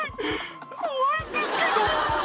「怖いんですけど」